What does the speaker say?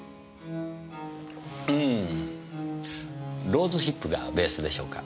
ローズヒップがベースでしょうか。